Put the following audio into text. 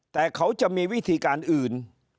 แต่เขาจะมีวิธีการอื่น